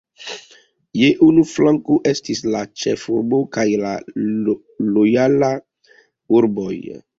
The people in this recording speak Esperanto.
Je unu flanko estis la ĉefurbo kaj la lojalaj urboj.